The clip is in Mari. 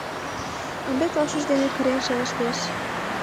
Ынде тошыж дене кырен шелыштеш.